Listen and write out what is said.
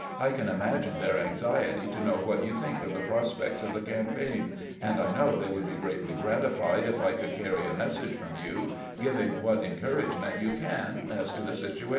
I can imagine their anxiety to know what you think of the prospects of the campaign, and I know they would be greatly gratilfied if I could carry a message from you giving what encouragement you can as to the situation."